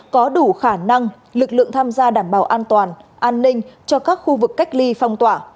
có đủ khả năng lực lượng tham gia đảm bảo an toàn an ninh cho các khu vực cách ly phong tỏa